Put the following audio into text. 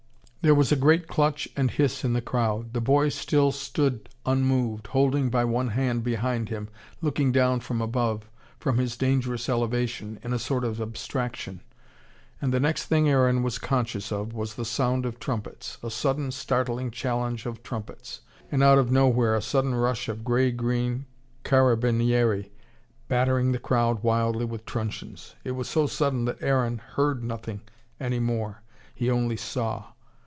There was a great clutch and hiss in the crowd. The boy still stood unmoved, holding by one hand behind him, looking down from above, from his dangerous elevation, in a sort of abstraction. And the next thing Aaron was conscious of was the sound of trumpets. A sudden startling challenge of trumpets, and out of nowhere a sudden rush of grey green carabinieri battering the crowd wildly with truncheons. It was so sudden that Aaron heard nothing any more. He only saw.